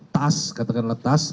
tas katakanlah tas